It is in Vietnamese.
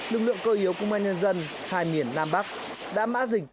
lực lượng cơ yếu công an nhân dân hai miền nam bắc đã mã rỉnh